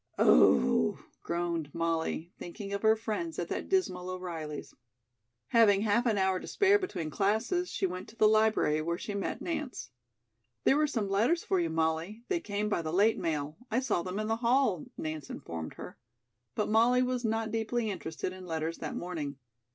"Oh," groaned Molly, thinking of her friends at that dismal O'Reilly's. Having half an hour to spare between classes, she went to the library where she met Nance. "There are some letters for you, Molly. They came by the late mail. I saw them in the hall," Nance informed her. But Molly was not deeply interested in letters that morning.